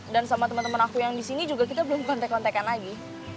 dan sama temen temen aku yang di sini juga kita belum kontek kontekan lagi